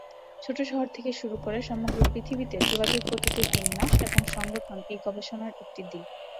ছোট শহর থেকে শুরু করে সমগ্র পৃথিবীতে যোগাযোগ পদ্ধতির বিন্যাস এবং সংগঠন এই গবেষণার একটি দিক।